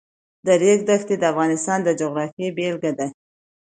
د ریګ دښتې د افغانستان د جغرافیې بېلګه ده.